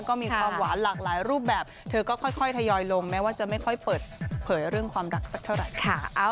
ก็มีความหวานหลากหลายรูปแบบเธอก็ค่อยทยอยลงแม้ว่าจะไม่ค่อยเปิดเผยเรื่องความรักสักเท่าไหร่ค่ะ